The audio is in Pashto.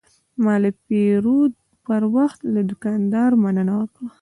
ما د پیرود پر وخت له دوکاندار مننه وکړه.